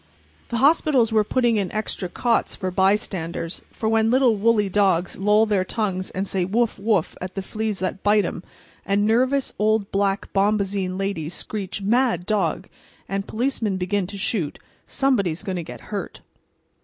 The hospitals were putting in extra cots for bystanders. For when little, woolly dogs loll their tongues out and say "woof, woof!" at the fleas that bite 'em, and nervous old black bombazine ladies screech "Mad dog!" and policemen begin to shoot, somebody is going to get hurt.